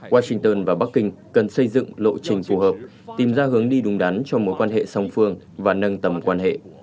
washington và bắc kinh cần xây dựng lộ trình phù hợp tìm ra hướng đi đúng đắn cho mối quan hệ song phương và nâng tầm quan hệ